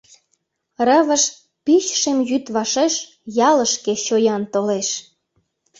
Рывыж пич шем йӱд вашеш Ялышке чоян толеш.